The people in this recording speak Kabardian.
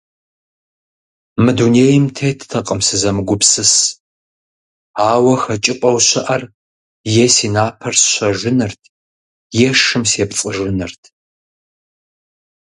Мы дунейм теттэкъым сызэмыгупсыс, ауэ хэкӀыпӀэу щыӀэр е си напэр сщэжынырт, е шым сепцӀыжынырт.